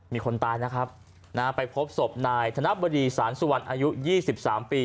มีคนตายนะครับไปพบศพนายธนบดีสารสุวรรณอายุ๒๓ปี